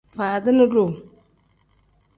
Faadini duu.